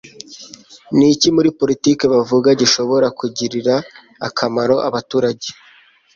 Niki muri Politiki bavuga gishobora kugirira akamaro abaturage